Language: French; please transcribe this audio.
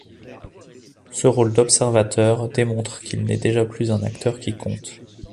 Ce rôle d’observateur démontre qu’il n’est déjà plus un acteur qui compte.